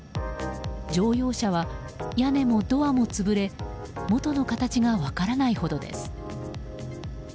乗用車は屋根もドアも潰れ元の形が分からないほどです。